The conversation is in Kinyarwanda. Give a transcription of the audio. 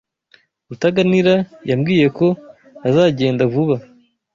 Rutaganira yambwiye ko azagenda vuba.